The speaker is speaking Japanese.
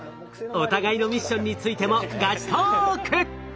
お互いのミッションについてもガチトーク！